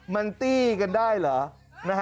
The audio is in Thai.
มันตี้กันได้เหรอ